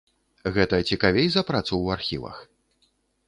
Гэта цікавей за працу ў архівах?